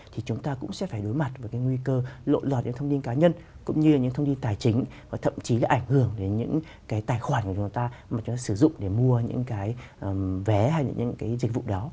thì chúng ta cũng sẽ phải đối mặt với cái nguy cơ lộn lọt những thông tin cá nhân cũng như là những thông tin tài chính và thậm chí là ảnh hưởng đến những cái tài khoản của chúng ta mà chúng ta sử dụng để mua những cái vé hay những cái dịch vụ đó